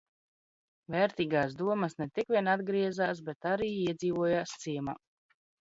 V?rt?g?s domas ne tikvien atgriez?s, bet ar? iedz?voj?s ciem?.